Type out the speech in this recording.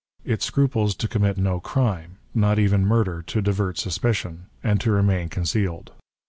It scruples to commit no crime, not even murder, to divert suspicion, and to remain concealed.